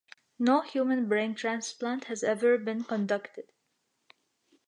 No human brain transplant has ever been conducted.